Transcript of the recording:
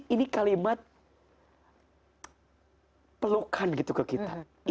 ini kalimat pelukan gitu ke kita